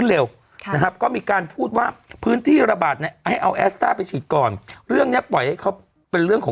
นะให้เอาไปฉีดก่อนเรื่องเนี้ยปล่อยให้เขาเป็นเรื่องของ